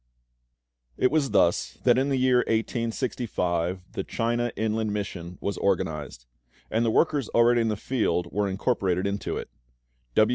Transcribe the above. IT was thus that in the year 1865 the CHINA INLAND MISSION was organised; and the workers already in the field were incorporated into it.